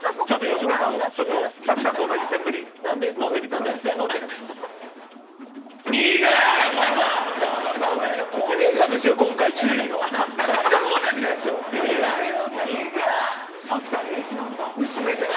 吉村さん、ちょっと早紀さんと同じセンブリを飲んでみてください。